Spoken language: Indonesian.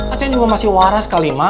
aceh juga masih waras kali ma